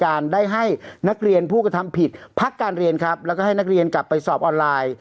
ได้ให้นักเรียนผู้กระทำผิดพักการเรียนครับแล้วก็ให้นักเรียนกลับไปสอบออนไลน์